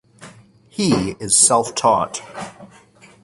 He is self-taught.